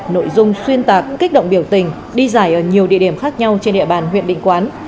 nội dung xuyên tạc kích động biểu tình đi giải ở nhiều địa điểm khác nhau trên địa bàn huyện định quán